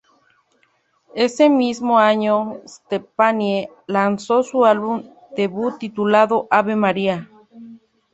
Ese mismo año, Stephanie lanzó su álbum debut titulado "Ave María".